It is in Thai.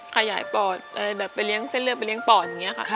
ขยายปอดอะไรแบบไปเลี้ยงเส้นเลือดไปเลี้ยปอดอย่างนี้ค่ะ